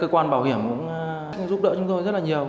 cơ quan bảo hiểm cũng giúp đỡ chúng tôi rất là nhiều